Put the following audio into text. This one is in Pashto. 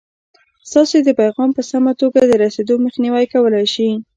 ستاسې د پیغام په سمه توګه د رسېدو مخنیوی کولای شي.